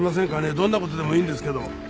どんな事でもいいんですけど。